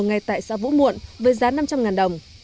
ngay tại xã vũ muộn với giá năm trăm linh đồng